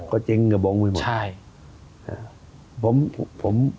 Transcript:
ก็เจ๊งกระโบ้งไปหมด